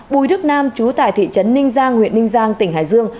bùi đức nam chú tại thị trấn ninh giang huyện ninh giang tỉnh hải dương